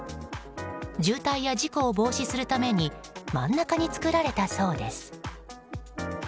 渋滞や事故を防止するために真ん中に作られたそうです。